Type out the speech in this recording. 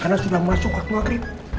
karena sudah masuk ke tua gerim